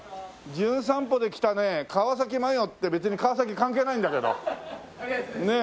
『じゅん散歩』で来たね川麻世って別に川崎関係ないんだけど。